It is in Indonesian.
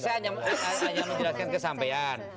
saya hanya menjelaskan kesampaian